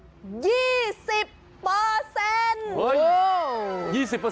โอ้ย๒๐เลยเหรอ